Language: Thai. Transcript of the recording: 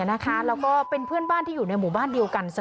แล้วก็เป็นเพื่อนบ้านที่อยู่ในหมู่บ้านเดียวกัน